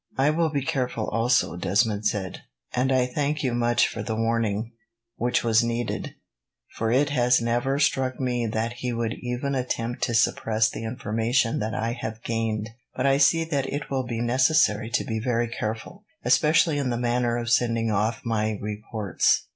"I will be careful also," Desmond said, "and I thank you much for the warning, which was needed, for it would never have struck me that he would even attempt to suppress the information that I have gained; but I see that it will be necessary to be very careful, especially in the manner of sending off my reports."